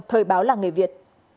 thời báo là người việt